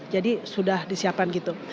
jadi sudah disiapkan gitu